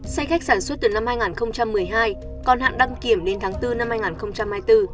xe khách sản xuất từ năm hai nghìn một mươi hai còn hạn đăng kiểm đến tháng bốn năm hai nghìn hai mươi bốn